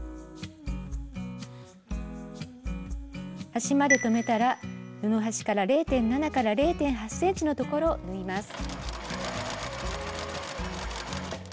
端まで留めたら布端から０．７０．８ｃｍのところを縫います。